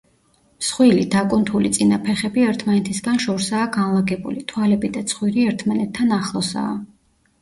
მსხვილი, დაკუნთული წინა ფეხები ერთმანეთისგან შორსაა განლაგებული, თვალები და ცხვირი ერთმანეთთან ახლოსაა.